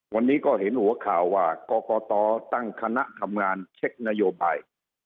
วันนี้ก็เห็นหัวข่าวว่ากรกตตั้งคณะทำงานเช็คนโยบาย